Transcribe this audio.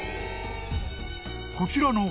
［こちらの見